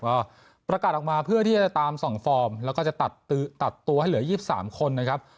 ก็ประกาศออกมาเพื่อที่จะตาม๒ฟอร์มแล้วก็จะตัดตัวให้เหลือ๒๓คนนะครับ